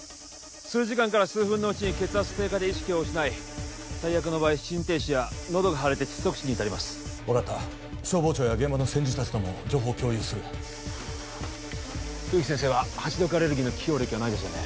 数時間から数分のうちに血圧低下で意識を失い最悪の場合心停止や喉が腫れて窒息死に至ります分かった消防庁や現場の千住達とも情報を共有する冬木先生はハチ毒アレルギーの既往歴はないですよね？